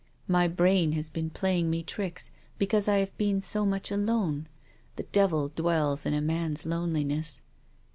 My brain has been playing me tricks because I have been so much alone, the devil dwells in a man's loneliness.